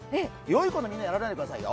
よい子のみんなはやらないでくださいよ。